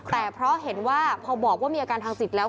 แต่เพราะเห็นว่าพอบอกว่ามีอาการทางจิตแล้ว